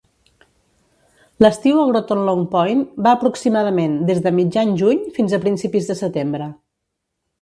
L'estiu a Groton Long Point va aproximadament des de mitjan juny fins a principis de setembre.